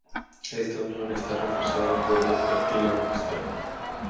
Esta unión está reforzada por un cartílago costal.